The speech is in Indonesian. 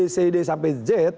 cd sampai z